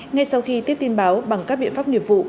ngay sau khi tiếp tin báo bằng các biện pháp nghiệp vụ